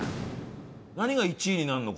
何が１位になるの？